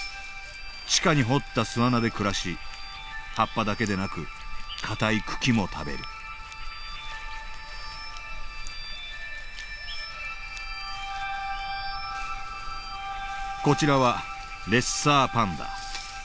地下に掘った巣穴で暮らし葉っぱだけでなく硬い茎も食べるこちらはレッサーパンダ。